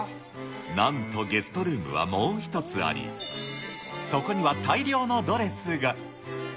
なんとゲストルームはもう一つあり、そこには大量のドレスが。